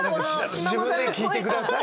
自分で聴いてください。